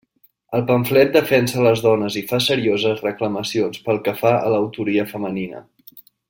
El pamflet defensa les dones i fa serioses reclamacions pel que fa a l'autoria femenina.